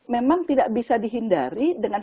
memang tidak bisa dihindari dengan